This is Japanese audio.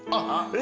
え！